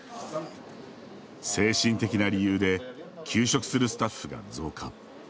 精神的な理由で休職するスタッフが増加。